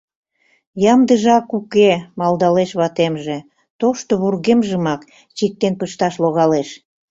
— Ямдыжак уке, — малдалеш ватемже, — тошто вургемжымак чиктен пышташ логалеш.